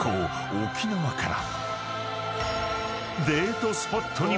沖縄から］